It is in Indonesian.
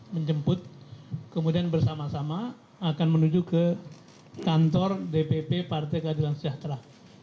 menjemput kemudian bersama sama akan menuju ke kantor dpp partai keadilan sejahtera